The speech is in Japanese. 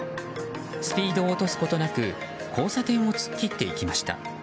スピードを落とすことなく交差点を突っ切っていきました。